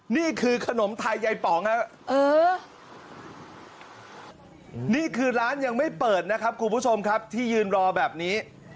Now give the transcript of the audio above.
นี่คือร้านยังไม่เปิดนะครับกลูกผู้ชมครับที่ยืนรอแบบนี้